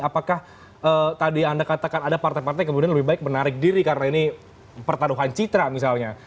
apakah tadi anda katakan ada partai partai kemudian lebih baik menarik diri karena ini pertaruhan citra misalnya